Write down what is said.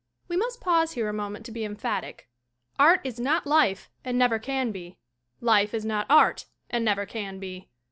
We must pause here a moment to be emphatic. Art is' not life and never can be. Life is not art and never can be.